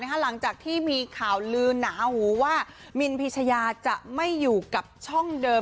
หลังจากที่มีข่าวลือหนาหูว่ามินพิชยาจะไม่อยู่กับช่องเดิม